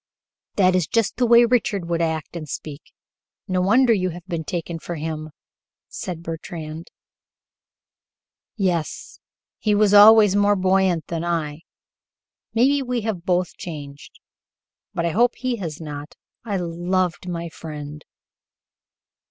"That is just the way Richard would act and speak. No wonder you have been taken for him!" said Bertrand. "Yes, he was always more buoyant than I. Maybe we have both changed, but I hope he has not. I loved my friend."